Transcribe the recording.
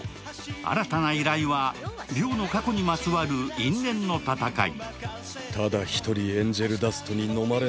新たな依頼は、りょうの過去にまつわる因縁の戦い。